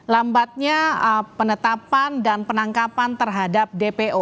lambatnya penetapan dan penangkapan terhadap dpo